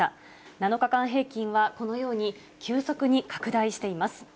７日間平均はこのように、急速に拡大しています。